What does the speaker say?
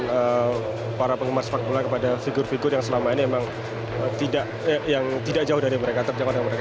dan para penggemar sepak bola kepada figur figur yang selama ini yang tidak jauh dari mereka terjangkau dari mereka